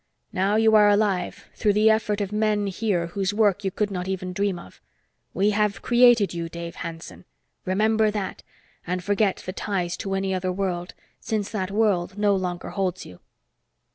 Now you are alive, through the effort of men here whose work you could not even dream of. We have created you, Dave Hanson. Remember that, and forget the ties to any other world, since that world no longer holds you."